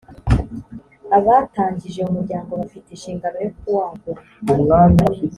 abatangije umuryango bafite inshigano yo kuwagura.